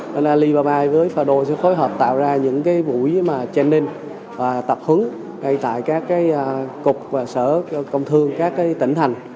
nên alibaba với fado sẽ phối hợp tạo ra những buổi training và tập hứng ngay tại các cục và sở công thương các tỉnh thành